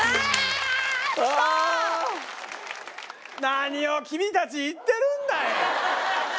何を君たち言ってるんだい！